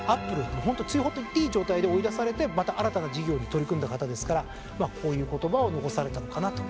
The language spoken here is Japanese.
ほんと追放って言っていい状態で追い出されてまた新たな事業に取り組んだ方ですからこういう言葉を残されたのかなと。